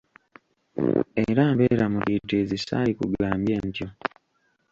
Era mbeera mutiitiizi saalikugambye ntyo.